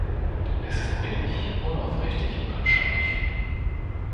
Es ist billig, unaufrichtig und abscheulich.